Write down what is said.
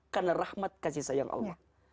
karena rahmat kasih sayang allah